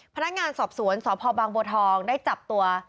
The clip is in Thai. พนักงานสอบสวนสพบางบัวทองได้จับตัว